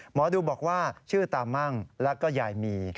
หมอดูบอกว่าชื่อตามั่งแล้วก็ยายมี